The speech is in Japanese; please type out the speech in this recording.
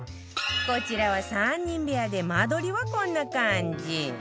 こちらは３人部屋で間取りはこんな感じ